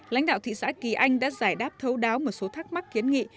lãnh đạo thị xã kỳ anh đã giải đáp thấu đáo một số thắc mắc kiến nghị